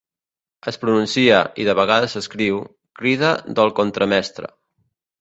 Es pronuncia, i de vegades s'escriu, "crida del contramestre".